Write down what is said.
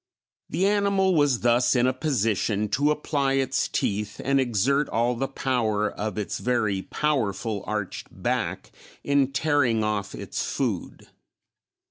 The animal was thus in a position to apply its teeth and exert all the power of its very powerful arched back in tearing off its food.